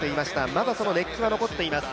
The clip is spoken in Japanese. まだその熱気が残っています